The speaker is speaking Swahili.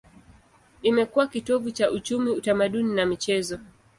Imekuwa kitovu cha uchumi, utamaduni na michezo.